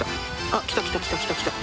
あきたきたきたきたきた。